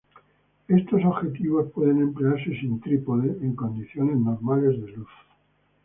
Estos objetivos pueden emplearse sin trípode en condiciones normales de luz.